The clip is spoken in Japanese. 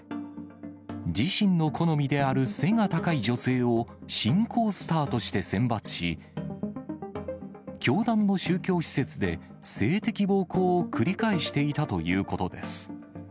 自身の好みである背が高い女性を、信仰スターとして選抜し、教団の宗教施設で性的暴行を繰り返していたということです。